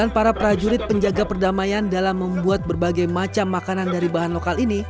dan para prajurit penjaga perdamaian dalam membuat berbagai macam makanan dari bahan lokal ini